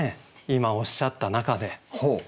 今おっしゃった中で。